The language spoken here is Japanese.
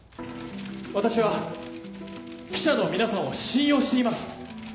私は記者の皆さんを信用しています。